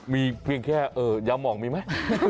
มีเพียงแค่ยามองมีไหม